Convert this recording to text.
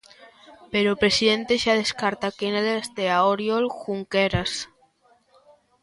Pero o presidente xa descarta que nela estea Oriol Junqueras.